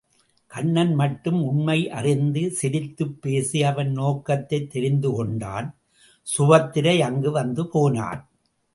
கண்ணன் மட்டும் உண்மை அறிந்து சிரித்துப் பேசி அவன் நோக்கத்தைத் தெரிந்துகொண்டான் சுபத்திரை அங்கு வந்து போனாள்.